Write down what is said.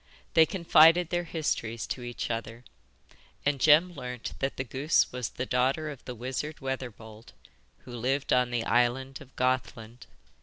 They confided their histories to each other, and Jem learnt that the goose was the daughter of the wizard Weatherbold, who lived on the island of Gothland.